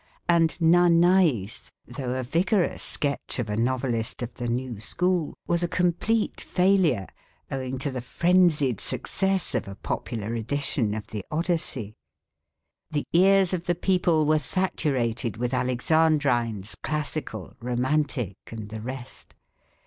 And Nanais, though a vigorous sketch of a novelist of the new school, was a complete failure owing to the frenzied success of a popular edition of the Odyssey. The ears of the people were saturated with Alexandrines classical, romantic, and the rest.